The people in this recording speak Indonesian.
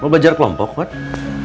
mau belajar kelompok pak